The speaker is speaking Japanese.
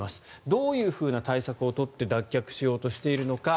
どういうふうな対策を取って脱却しようとしているのか。